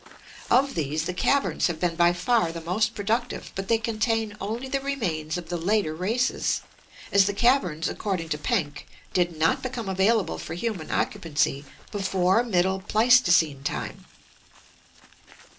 Of these the caverns have been by far the most productive, but they contain only the re mains of the later races, as the caverns according to Penck did not become available for human occupancy before middle Pleistocene time.